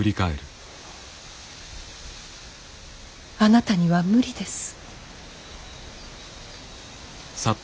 あなたには無理です。